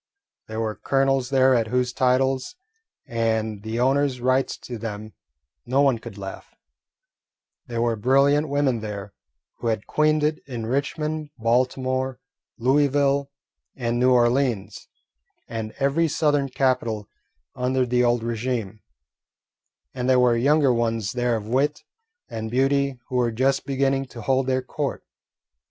There were colonels there at whose titles and the owners' rights to them no one could laugh; there were brilliant women there who had queened it in Richmond, Baltimore, Louisville, and New Orleans, and every Southern capital under the old regime, and there were younger ones there of wit and beauty who were just beginning to hold their court.